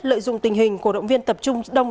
lợi dụng tình hình cổ động viên tập trung đông